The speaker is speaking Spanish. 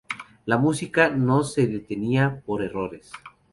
La música no se detenía por errores.